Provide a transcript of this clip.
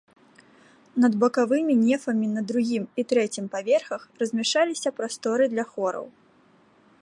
Над бакавымі нефамі на другім і трэцім паверхах размяшчаліся прасторы для хораў.